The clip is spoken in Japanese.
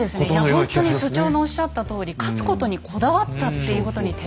いや本当に所長のおっしゃったとおり勝つことにこだわったっていうことに徹底してたんですね